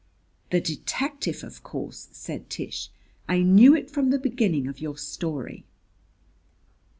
"The detective, of course," said Tish. "I knew it from the beginning of your story."